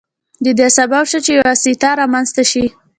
د دې سبب شو چې یو واسطه رامنځته شي.